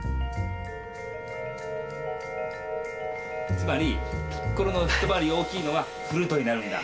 つまりピッコロのひと回り大きいのがフルートになるんだ。